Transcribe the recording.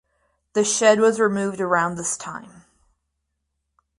The shed was removed around this time.